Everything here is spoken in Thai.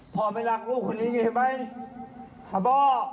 พ่อไม่รักลูกคนนี้ไงไหมหาพ่อ